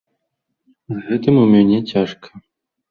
З гэтым у мяне цяжка.